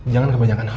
jangan kebanyakan hal